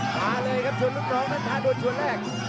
มาเลยครับชวนลูกน้องนั้นพาดวนชวนแรก